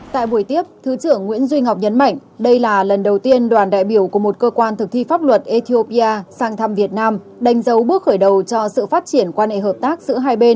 tại buổi tiếp thứ trưởng nguyễn duy ngọc nhấn mạnh đây là lần đầu tiên đoàn đại biểu của một cơ quan thực thi pháp luật ethiopia sang thăm việt nam đánh dấu bước khởi đầu cho sự phát triển quan hệ hợp tác giữa hai bên